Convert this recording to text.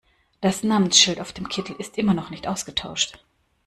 Das Namensschild auf dem Kittel ist immer noch nicht ausgetauscht.